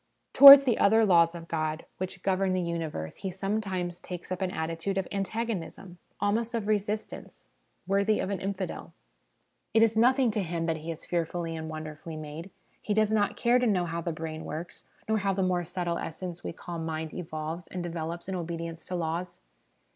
Towards the other laws of God which govern the universe he sometimes takes up an attitude of antagonism, almost of resistance, worthy of an infidel. 40 HOME EDUCATION It is nothing to him that he is fearfully and wonder fully made ; he does not care to know how the brain works, nor how the more subtle essence we call mind evolves and develops in obedience to laws.